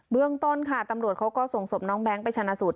เรื่องต้นค่ะตำรวจเขาก็ส่งศพน้องแบงค์ไปชนะสูตร